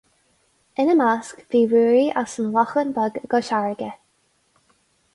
Ina measc, bhí Ruaidhrí as an Lochán Beag i gCois Fharraige.